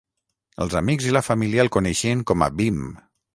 Els amics i la família el coneixien com a Bim.